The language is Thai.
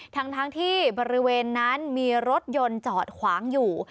ทั้งที่บริเวณนั้นมีรถยนต์จอดขวางอยู่